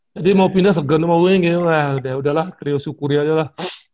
jadi mau pindah segen sama uing udah lah kriyosyukuri aja lah